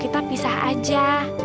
kita pisah aja